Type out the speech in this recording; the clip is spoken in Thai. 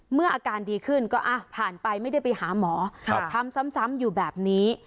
อาการดีขึ้นก็ผ่านไปไม่ได้ไปหาหมอทำซ้ำอยู่แบบนี้